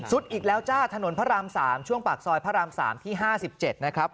อีกแล้วจ้าถนนพระราม๓ช่วงปากซอยพระราม๓ที่๕๗นะครับ